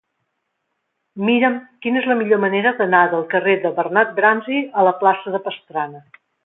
Mira'm quina és la millor manera d'anar del carrer de Bernat Bransi a la plaça de Pastrana.